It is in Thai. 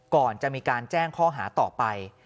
ก่อนจะมีการแจ้งข้อหาต่อไป